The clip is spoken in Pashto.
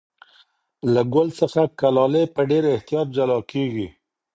له ګل څخه کلالې په ډېر احتیاط جلا کېږي.